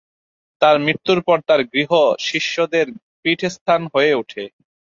মৃত্যুর পর তার গৃহ শিষ্যদের পীঠস্থান হয়ে ওঠে।